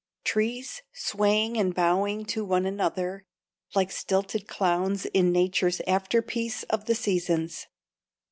Trees, swaying and bowing to one another, like stilted clowns in Nature's afterpiece of the seasons.